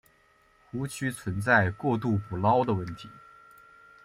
湖区存在过度捕捞的问题。